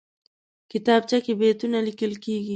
کتابچه کې بیتونه لیکل کېږي